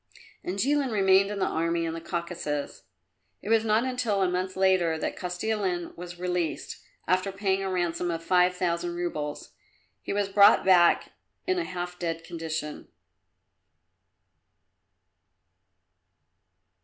And Jilin remained in the army in the Caucasus. It was not until a month later that Kostilin was released, after paying a ransom of five thousand roubles. He was brought back in a half dead condition.